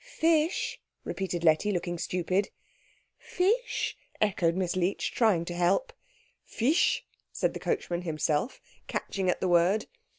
"Fish?" repeated Letty, looking stupid. "Fish?" echoed Miss Leech, trying to help. "Fisch?" said the coachman himself, catching at the word.